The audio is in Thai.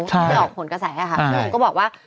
ที่ออกผลกระแสค่ะทุกคนก็บอกว่า